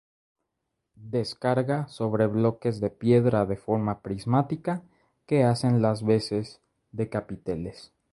Descarga sobre bloques de piedra de forma prismática que hacen las veces de capiteles.